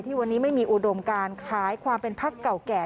ที่วันนี้ไม่มีอวดมการคล้ายความเป็นพรรคเก่าแก่